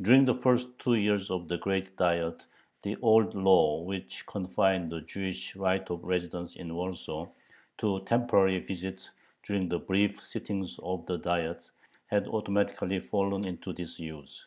During the first two years of the Great Diet the old law which confined the Jewish right of residence in Warsaw to temporary visits during the brief sittings of the Diets, had automatically fallen into disuse.